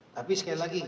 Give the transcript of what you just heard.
tapi sekali lagi